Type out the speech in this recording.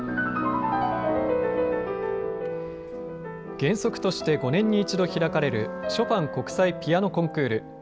原則として５年に１度開かれるショパン国際ピアノコンクール。